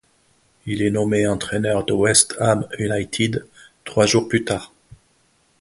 Il est nommé entraîneur de West Ham United trois jours plus tard.